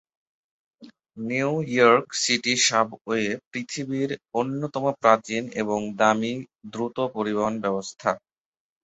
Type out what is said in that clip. New York City subway পৃথিবীড় অন্যতম প্রাচীন এবং দামী দ্রুত পরিবহন ব্যবস্থা।